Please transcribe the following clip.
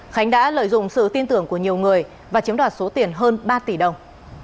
khánh đã lợi dụng sự tin tưởng của nhiều người và chiếm đoạt số tiền hơn ba tỷ đồng